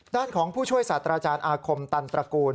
ด้านของผู้ช่วยศาสตราจารย์อาคมตันตระกูล